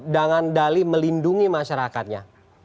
dengan dali melindungi masyarakatnya